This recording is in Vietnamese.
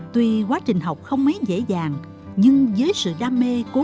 tuy quá trình học không mấy dễ dàng nhưng với sự đam mê cố gắng của mình